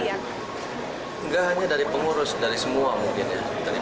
enggak hanya dari pengurus dari semua mungkin